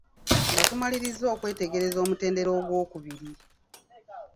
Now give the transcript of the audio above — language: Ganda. Nga tumalirizza okwetegereza omutendera ogw'okubiri.